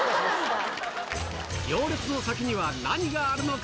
行列の先には何があるのか？